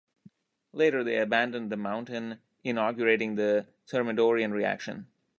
Later they abandoned the Mountain inaugurating the Thermidorian Reaction.